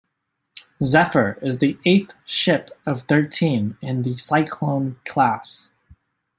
"Zephyr" is the eighth ship of thirteen in the "Cyclone"-class.